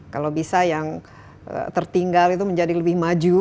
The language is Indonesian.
kalau bisa yang tertinggal itu menjadi lebih maju